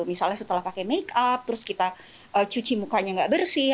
misalnya setelah pakai make up terus kita cuci mukanya nggak bersih